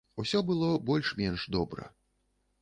Усё было больш-менш добра.